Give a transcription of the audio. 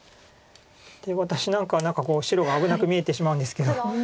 私なんかは白が危なく見えてしまうんですけど。